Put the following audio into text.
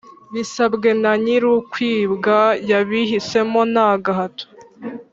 bisabwe na nyirukwibwa yabihisemo nta gahato